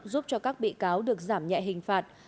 giúp cho các bị cáo được giảm nhẹ hình phạt